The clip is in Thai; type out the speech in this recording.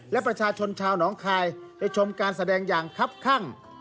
และประชาชนชาวหนองคายได้ชมการแสดงอย่างครับข้าง